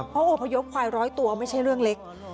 เพราะอพยพควายร้อยตัวไม่ใช่เรื่องเล็ก